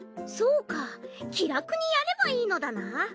そうか気楽にやればいいのだな。